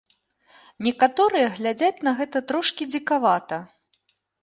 Некаторыя глядзяць на гэта трошкі дзікавата.